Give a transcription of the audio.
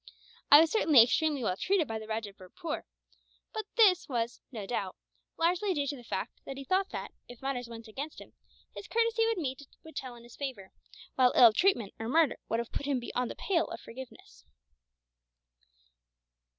I was certainly extremely well treated by the Rajah of Bhurtpoor; but this was, no doubt, largely due to the fact that he thought that, if matters went against him, his courtesy to me would tell in his favour, while ill treatment or murder would have put him beyond the pale of forgiveness."